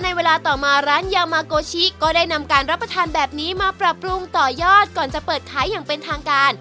เวลาต่อมาร้านยามาโกชิก็ได้นำการรับประทานแบบนี้มาปรับปรุงต่อยอดก่อนจะเปิดขายอย่างเป็นทางการ